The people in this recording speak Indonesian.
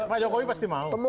pak jk pasti mau